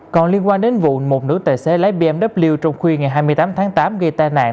còn liên quan đến vụ một nữ tài xế lái bmw trong khuya ngày hai mươi tám tháng tám gây tai nạn